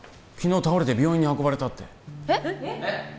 昨日倒れて病院に運ばれたってえっ？